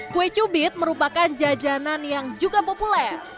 kue cubit merupakan jajanan yang juga populer